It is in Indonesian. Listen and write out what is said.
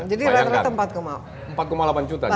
jadi rata rata empat delapan juta